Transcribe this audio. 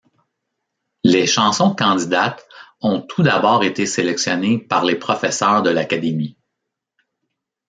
Les chansons candidates ont tout d'abord été sélectionnées par les professeurs de l'Académie.